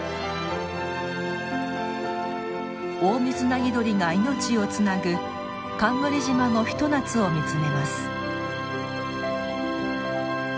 オオミズナギドリが命をつなぐ冠島のひと夏を見つめます。